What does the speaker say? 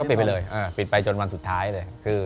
ปิดไปเลยปิดไปจนวันสุดท้ายเลย